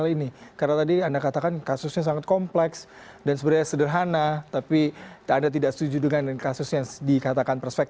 ini adalah hit and run case